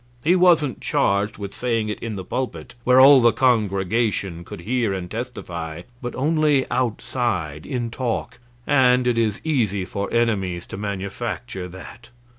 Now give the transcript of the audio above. He wasn't charged with saying it in the pulpit, where all the congregation could hear and testify, but only outside, in talk; and it is easy for enemies to manufacture that.